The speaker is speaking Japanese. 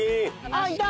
あっいた！